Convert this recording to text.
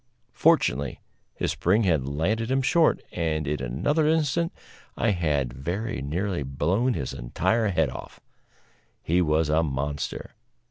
Fortunately, his spring had landed him short, and in another instant I had very nearly blown his entire head off. He was a monster.